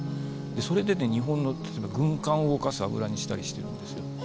それでね日本の例えば軍艦を動かす油にしたりしてるんですよ。